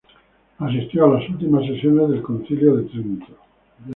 Asistió a las últimas sesiones del Concilio de Trento.